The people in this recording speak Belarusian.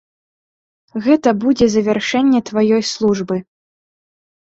Гэта будзе завяршэнне тваёй службы.